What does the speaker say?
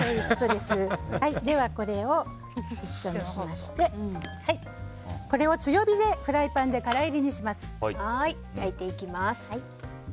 では、これを一緒にしましてこれを強火でフライパンで乾いりにします。